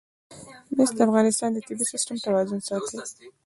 مس د افغانستان د طبعي سیسټم توازن ساتي.